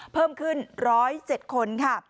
เพิ่มขึ้น๑๐๗คนค่ะ